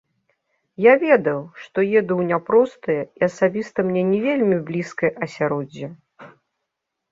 Я ведаў, што еду ў няпростае і асабіста мне не вельмі блізкае асяроддзе.